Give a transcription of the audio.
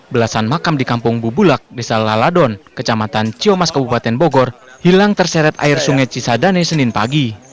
belasan makam di kampung bubulak desa laladon kecamatan ciomas kabupaten bogor hilang terseret air sungai cisadane senin pagi